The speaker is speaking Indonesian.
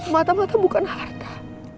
mata mata bukan harta